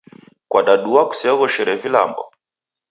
Kwadadua kuseoghoshere vilambo?